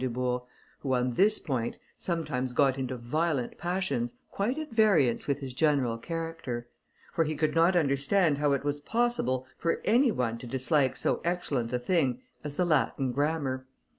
Dubourg; who, on this point, sometimes got into violent passions, quite at variance with his general character; for he could not understand how it was possible for any one to dislike so excellent a thing as the Latin grammar.